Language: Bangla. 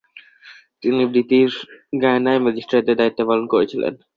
তিনি ব্রিটিশ গায়ানায় ম্যাজিস্ট্রেটের দায়িত্ব পালন করেছিলেন।